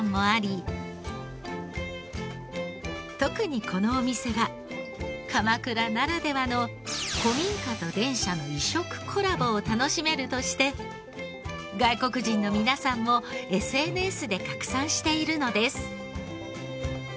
特にこのお店は鎌倉ならではの古民家と電車の異色コラボを楽しめるとして外国人の皆さんもＳＮＳで拡散しているのです。